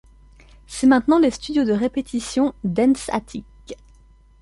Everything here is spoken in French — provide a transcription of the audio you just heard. C'est maintenant les studios de répétition Dance Attic.